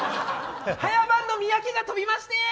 早番の三宅が飛びまして！